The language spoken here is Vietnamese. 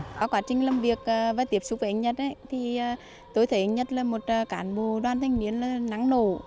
trong quá trình làm việc và tiếp xúc với anh nhật thì tôi thấy anh nhật là một cản bộ đoàn thanh niên nắng nổ